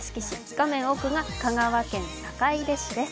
画面奥が香川県坂出市です。